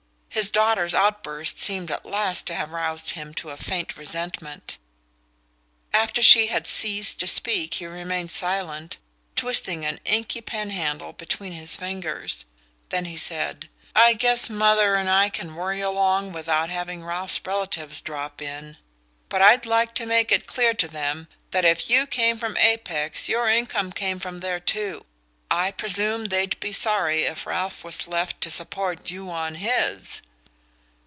His daughter's outburst seemed at last to have roused him to a faint resentment. After she had ceased to speak he remained silent, twisting an inky penhandle between his fingers; then he said: "I guess mother and I can worry along without having Ralph's relatives drop in; but I'd like to make it clear to them that if you came from Apex your income came from there too. I presume they'd be sorry if Ralph was left to support you on HIS."